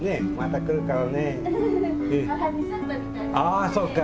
ああそうか。